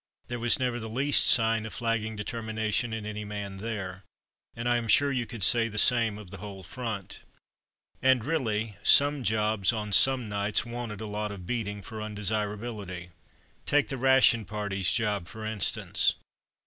There was never the least sign of flagging determination in any man there, and I am sure you could say the same of the whole front. And, really, some jobs on some nights wanted a lot of beating for undesirability. Take the ration party's job, for instance.